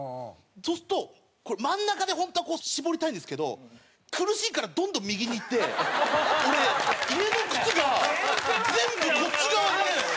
そうすると真ん中で本当は縛りたいんですけど苦しいからどんどん右にいって俺家の靴が全部こっち側なんです。